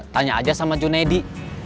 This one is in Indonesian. tanya aja sama junedi